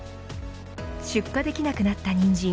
出荷できなくなったニンジン